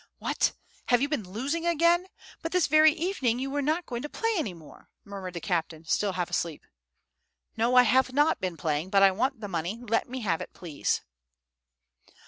"What! have you been losing again? But this very evening, you were not going to play any more," murmured the captain, still half asleep. "No, I have not been playing; but I want the money; let me have it, please."